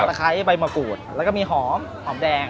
ไคร้ใบมะกรูดแล้วก็มีหอมหอมแดง